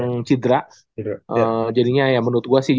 sudah di sidra jadinya ya menurut gua sih